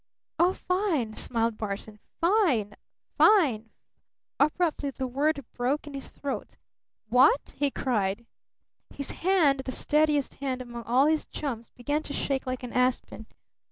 "Oh, fine!" smiled Barton. "Fine! Fine! Fi " Abruptly the word broke in his throat. "What?" he cried. His hand the steadiest hand among all his chums began to shake like an aspen.